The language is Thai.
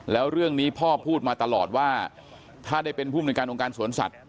แล้วเรื่องนี้พ่อพูดมาตลอดว่าถ้าได้เป็นผู้มนุยการองค์การสวนสัตว